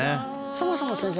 そもそも先生